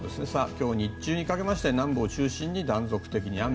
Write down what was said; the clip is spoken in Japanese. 今日、日中にかけまして南部を中心に断続的に雨。